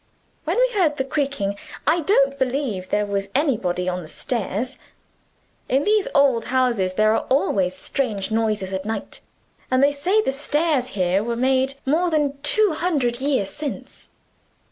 "When we heard the creaking, I don't believe there was anybody on the stairs. In these old houses there are always strange noises at night and they say the stairs here were made more than two hundred years since."